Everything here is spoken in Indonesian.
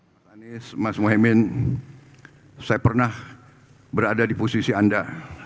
mas anies mas mohaimin saya pernah berada di posisi anda